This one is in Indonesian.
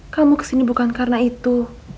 kamu kesini bukan karena itu